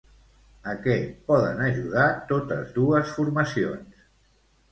A què poden ajudar totes dues formacions?